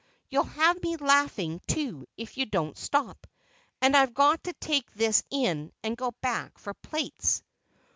You'll have me laughing, too, if you don't stop, and I've got to take this in and go back for plates."